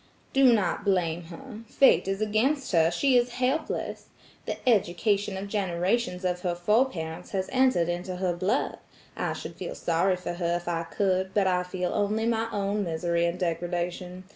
"Do not blame her. Fate is against her. She is helpless. The education of generations of her foreparents has entered into her blood. I should feel sorry for her if I could, but I feel only my own misery and degredation.